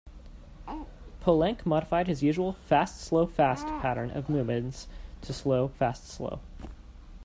Poulenc modified his usual fast-slow-fast pattern of movements to slow-fast-slow.